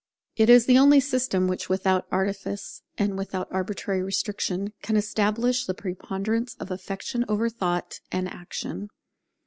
It is the only system which without artifice and without arbitrary restriction, can establish the preponderance of Affection over Thought and Action.